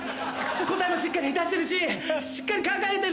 答えもしっかり出してるししっかり考えてるし。